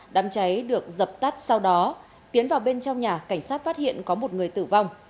đám cháy được dập tắt sau đó tiến vào bên trong nhà cảnh sát phát hiện có một người tử vong